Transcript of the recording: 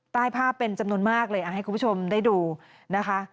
ใต้ภาพเป็นจำนวนมากเลยให้คุณผู้ชมได้ดูนะคะ